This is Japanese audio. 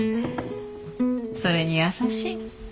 それに優しい。